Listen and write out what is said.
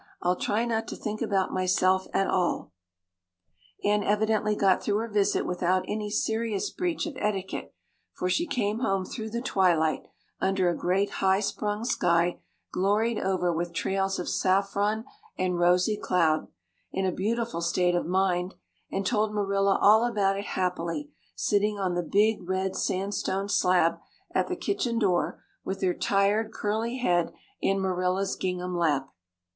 I'll try not to think about myself at all." Anne evidently got through her visit without any serious breach of "etiquette," for she came home through the twilight, under a great, high sprung sky gloried over with trails of saffron and rosy cloud, in a beatified state of mind and told Marilla all about it happily, sitting on the big red sandstone slab at the kitchen door with her tired curly head in Marilla's gingham lap.